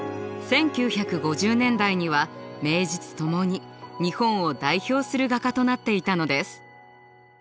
１９５０年代には名実ともに日本を代表する画家となっていたのです。